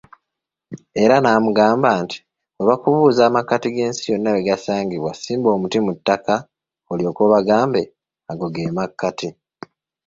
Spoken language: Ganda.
Era n'amugamba nti, we bakubuuza amakkati g'ensi yonna wegasangibwa, simba omuti mu ttaka olyoke obagambe ago ge makkati.